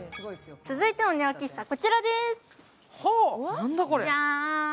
続いてのネオ喫茶、こちらです。